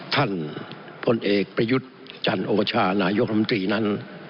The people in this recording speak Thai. ท่านผู้เอกประยุทธ์จันทร์โบชาณายกรรมตรีนั้น